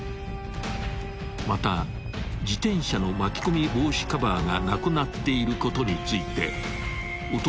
［また自転車の巻き込み防止カバーがなくなっていることについて男は］